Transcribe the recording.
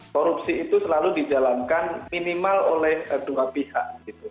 korupsi itu selalu dijalankan minimal oleh dua pihak